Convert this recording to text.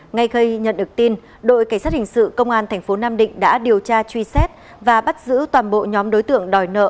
ngay khi nhận được tin đội cảnh sát hình sự công an tp nam định đã điều tra truy xét và bắt giữ toàn bộ nhóm đối tượng đòi nợ